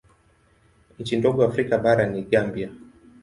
Nchi ndogo Afrika bara ni Gambia.